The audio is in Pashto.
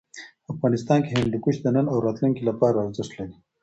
افغانستان کې هندوکش د نن او راتلونکي لپاره ارزښت لري.